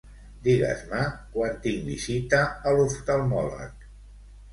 Digues-me quan tinc visita a l'oftalmòleg.